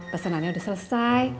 pesenannya udah selesai